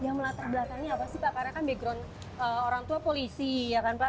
karena kan background orang tua polisi ya kan pak